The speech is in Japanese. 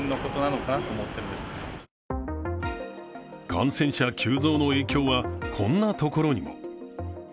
感染者急増の影響は、こんなところにも。